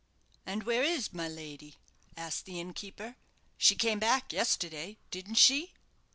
"And where is my lady?" asked the innkeeper; "she came back yesterday, didn't she?"